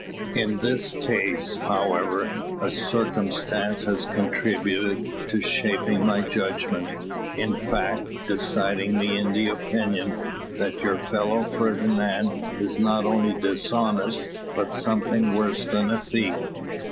In this case, however, a circumstance has contributed to shaping my judgment; in fact, deciding me in the opinion, that your fellow Fernand is not only dishonest, but something worse than a thief."